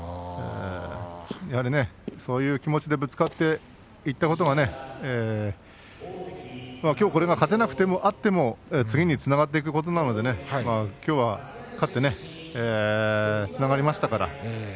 やはりそういう気持ちでぶつかっていったことが仮にきょう勝てなくても次につながっていくことなのできょうは勝ってつながりました。